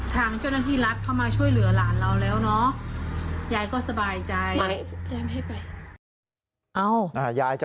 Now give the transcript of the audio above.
ทางเจ้าหน้าที่รัฐเข้ามาช่วยเหลือหลานเราแล้วเนาะยายก็สบายใจแจ้งให้ไป